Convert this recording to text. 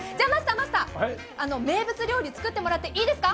マスター、名物料理作ってもらっていいですか？